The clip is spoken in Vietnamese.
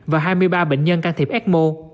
và hai mươi ba bệnh nhân can thiệp ecmo